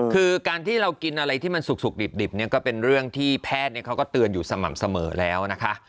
คือการที่เรากินอะไรที่มันสุกดิบเนี่ยก็เป็นเรื่องที่แพทย์เขาก็เตือนอยู่สม่ำเสมอแล้วนะคะ